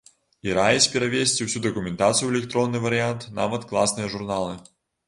І раіць перавесці ўсю дакументацыю ў электронны варыянт, нават класныя журналы.